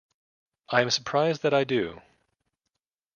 I am surprised that I do.